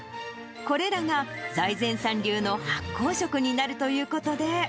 これらが財前さん流の発酵食になるということで。